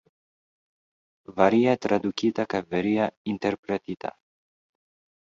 Varie tradukita kaj varie interpretita.